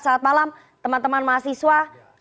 selamat malam teman teman mahasiswa